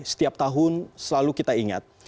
setiap tahun selalu kita ingat